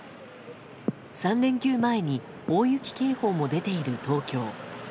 ３連休前に大雪警報も出ている東京。